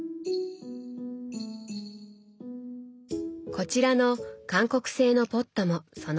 こちらの韓国製のポットもその一つ。